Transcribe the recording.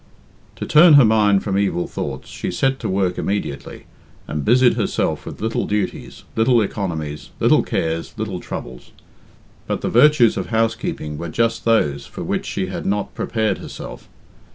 To turn her mind from evil thoughts, she set to work immediately, and busied herself with little duties, little economies, little cares, little troubles. But the virtues of housekeeping were just those for which she had not prepared herself.